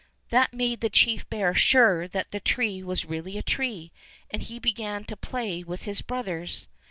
That made the chief bear sure that the tree was really a tree, and he began to play with his brothers.